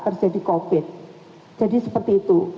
terjadi covid jadi seperti itu